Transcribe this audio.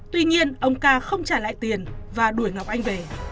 tuy nhiên ông ca không trả lại tiền và đuổi ngọc anh về